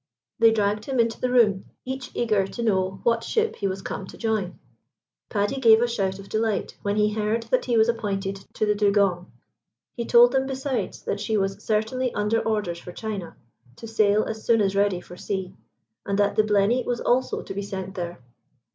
They dragged him into the room, each eager to know what ship he was come to join. Paddy gave a shout of delight when he heard that he was appointed to the Dugong. He told them besides that she was certainly under orders for China, to sail as soon as ready for sea, and that the Blenny was also to be sent there.